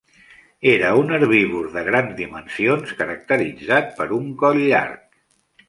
Era un herbívor de grans dimensions caracteritzat per un coll llarg.